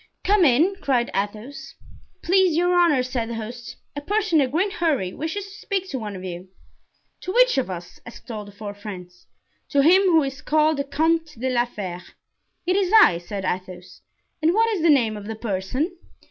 "Come in," cried Athos. "Please your honors," said the host, "a person in a great hurry wishes to speak to one of you." "To which of us?" asked all the four friends. "To him who is called the Comte de la Fere." "It is I," said Athos, "and what is the name of the person?"